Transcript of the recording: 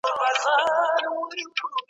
که پن وي نو پاڼه نه ښویېږي.